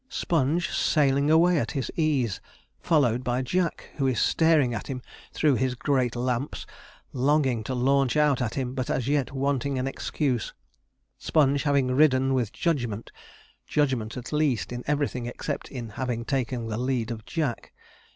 Sponge sailing away at his ease, followed by Jack, who is staring at him through his great lamps, longing to launch out at him, but as yet wanting an excuse; Sponge having ridden with judgement judgement, at least, in everything except in having taken the lead of Jack.